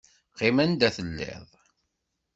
Qqim anda telliḍ!